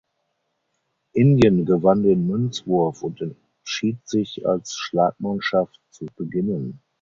Indien gewann den Münzwurf und entschied sich als Schlagmannschaft zu beginnen.